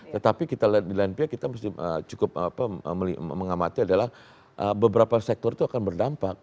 tetapi kita lihat di lain pihak kita mesti cukup mengamati adalah beberapa sektor itu akan berdampak